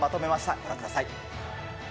ご覧ください。